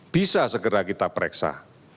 bisa segera kita pereksa